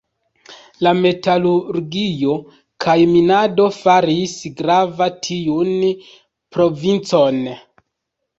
La metalurgio kaj minado faris grava tiun provincon.